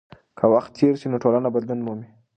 که وخت تېر سي نو ټولنه بدلون مومي.